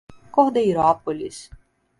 Cordeirópolis